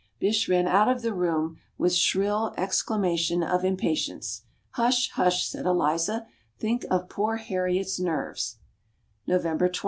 Bysshe ran out of the room with shrill exclamation of impatience. "Hush, hush!" said Eliza, "think of poor Harriet's nerves." November 20.